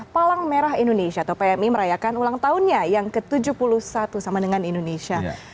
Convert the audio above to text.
palang merah indonesia atau pmi merayakan ulang tahunnya yang ke tujuh puluh satu sama dengan indonesia